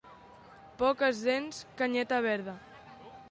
Poques dents, canyeta verda.